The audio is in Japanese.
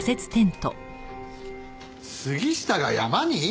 杉下が山に！？